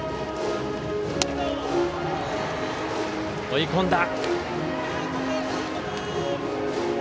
追い込んだ。